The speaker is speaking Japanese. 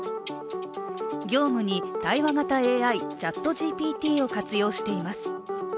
業務に対話型ＡＩ＝ＣｈａｔＧＰＴを活用しています。